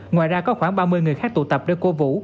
ngoài ra có khoảng ba mươi người khác tụ tập để cố vũ